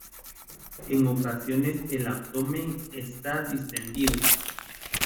En ocasiones el abdomen está distendido.